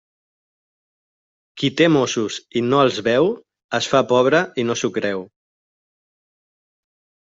Qui té mossos i no els veu, es fa pobre i no s'ho creu.